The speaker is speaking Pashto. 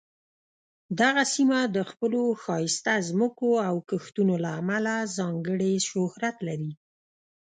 دغه سیمه د خپلو ښایسته ځمکو او کښتونو له امله ځانګړې شهرت لري.